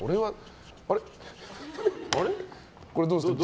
これはどうですか？